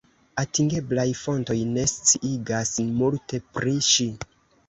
Atingeblaj fontoj ne sciigas multe pri ŝi.